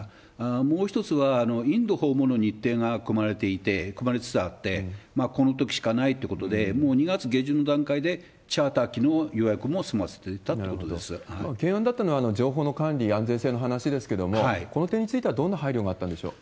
もう一つは、インド訪問の日程が組まれていて、組まれつつあって、このときしかないってことで、もう２月下旬の段階でチャーター機の予約も済ま懸案だったのは情報の管理、安全性の話ですけれども、この点についてはどんな配慮があったんでしょう？